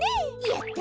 やった！